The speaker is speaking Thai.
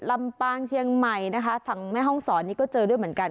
ลำปางเชียงใหม่นะคะฝั่งแม่ห้องศรนี่ก็เจอด้วยเหมือนกัน